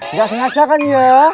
nggak sengaja kan ya